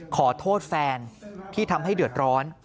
ขอโทษแฟนที่ทำให้เดือดร้อน